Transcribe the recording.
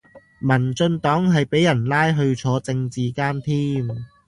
民進黨係俾人拉去坐政治監添